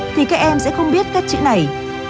thì các em sẽ không biết các chữ này